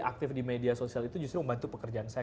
aktif di media sosial itu justru membantu pekerjaan saya